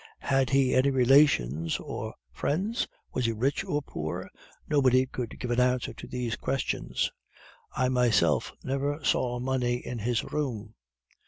Had he any relations or friends? Was he rich or poor? Nobody could give an answer to these questions. I myself never saw money in his room.